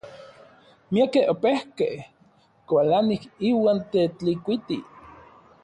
Miakej opejkej kualanij iuan Tetlikuiti.